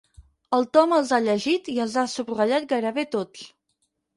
El Tom els ha llegit i els ha subratllat gairebé tots.